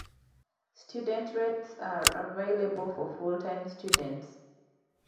Student rates are available for full-time students.